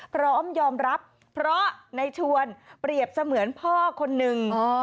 พร้อมยอมรับเพราะในชวนเปรียบเสมือนพ่อคนนึง